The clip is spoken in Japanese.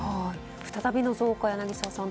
再びの増加、柳澤さん